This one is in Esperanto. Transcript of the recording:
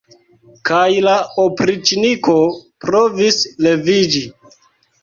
Kaj la opriĉniko provis leviĝi.